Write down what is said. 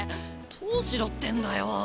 どうしろってんだよ。